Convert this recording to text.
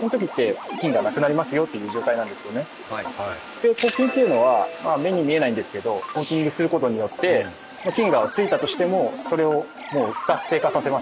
で抗菌っていうのは目に見えないんですけどコーティングする事によって菌が付いたとしてもそれをもう不活性化させます。